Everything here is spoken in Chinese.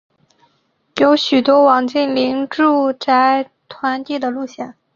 有许多网近邻住宅团地的路线。